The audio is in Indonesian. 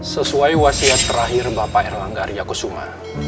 sesuai wasiat terakhir bapak erlangga arya kusuma